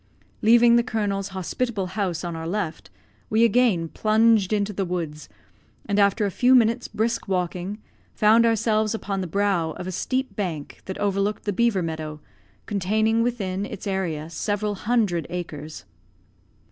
Leaving the colonel's hospitable house on our left, we again plunged into the woods, and after a few minutes' brisk walking, found ourselves upon the brow of a steep bank that overlooked the beaver meadow, containing within its area several hundred acres.